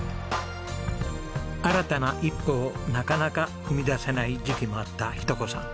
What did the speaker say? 新たな一歩をなかなか踏み出せない時期もあった日登子さん。